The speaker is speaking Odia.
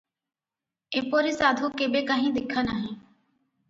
ଏପରି ସାଧୁ କେବେ କାହିଁ ଦେଖା ନାହିଁ ।